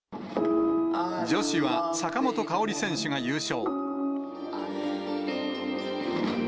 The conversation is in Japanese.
女子は坂本花織選手が優勝。